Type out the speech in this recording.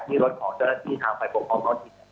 ที่รถของเจ้ารักษณีย์ทางไฟปกครองเขาที่